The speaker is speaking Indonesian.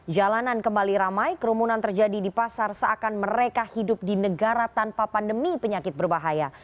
jalanan kembali ramai kerumunan terjadi di pasar seakan mereka hidup di negara tanpa pandemi penyakit berbahaya